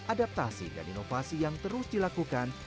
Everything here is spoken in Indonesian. adaptasi dan inovasi yang terus dilakukan